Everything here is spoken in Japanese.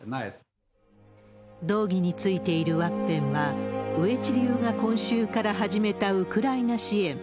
道着についているワッペンは、上地流が今週から始めたウクライナ支援。